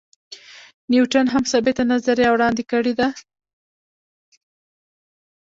نیوټن هم ثابته نظریه وړاندې کړې ده.